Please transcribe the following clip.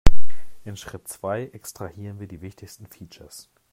In Schritt zwei extrahieren wir die wichtigsten Features.